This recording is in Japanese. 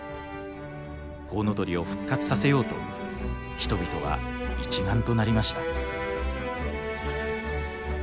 コウノトリを復活させようと人々は一丸となりました。